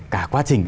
cả quá trình